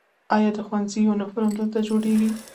آیا د ښوونځي یونیفورم دلته جوړیږي؟